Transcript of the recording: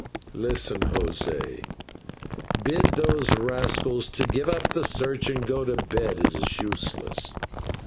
"Listen, José, bid those rascals to give up the search and go to bed, it is useless.